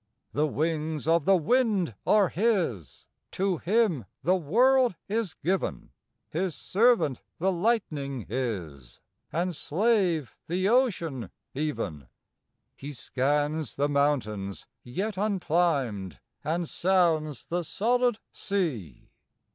The wings of the wind are his; To him the world is given; His servant the lightning is, And slave the ocean, even; He scans the mountains yet unclimb'd And sounds the solid sea.